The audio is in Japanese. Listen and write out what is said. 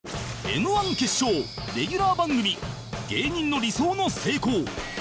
Ｍ−１ 決勝レギュラー番組芸人の理想の成功